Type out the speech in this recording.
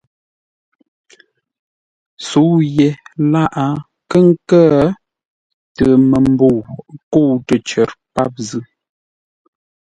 Sə̌u yé lâʼ nkə́-kə̂ tə məmbəu kə̂u təcər páp zʉ́.